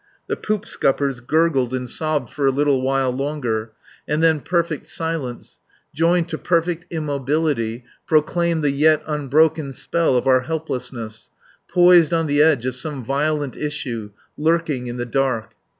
The poop scuppers gurgled and sobbed for a little while longer, and then perfect silence, joined to perfect immobility, proclaimed the yet unbroken spell of our helplessness, poised on the edge of some violent issue, lurking in the dark.